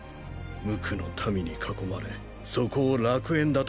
無垢の民に囲まれそこを楽園だとほざいている。